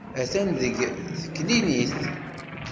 Atan deg teklinit.